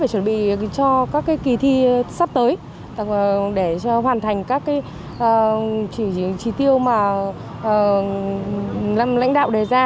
và chuẩn bị cho các kỳ thi sắp tới để hoàn thành các trí tiêu mà lãnh đạo đề ra